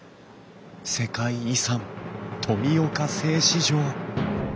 世界遺産富岡製糸場！